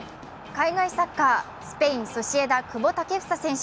海外サッカー、スペイン、ソシエダ・久保建英選手。